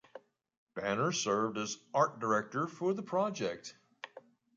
Banner served as art director for the project.